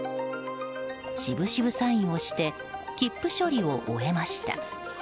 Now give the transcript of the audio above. しぶしぶサインをして切符処理を終えました。